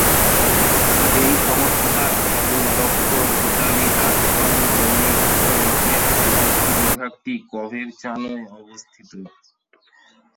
এই সংস্থার সদর দপ্তর ইতালির রাজধানী রোমে এবং এর প্রযুক্তি বিভাগটি কভেরচানোয় অবস্থিত।